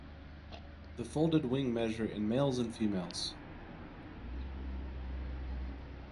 The folded wing measure in males and in females.